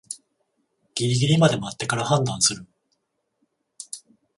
ギリギリまで待ってから判断する